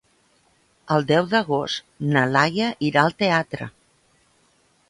El deu d'agost na Laia irà al teatre.